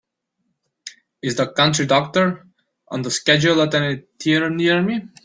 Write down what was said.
Is The Country Doctor on the schedule at any theater near me?